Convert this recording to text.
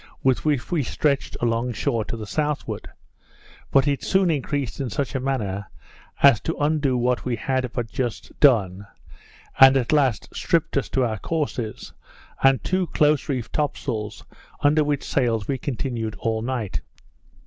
with which we stretched along shore to the southward; but it soon increased in such a manner, as to undo what we had but just done, and at last stripped us to our courses, and two close reefed top sails under which sails we continued all night.